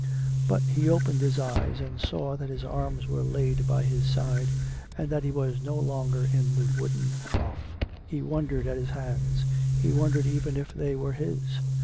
But he opened his eyes and saw that his arms were laid by his side; and that he was no longe" in the wooden trough. He wondered at his hands; he wondered even if they were his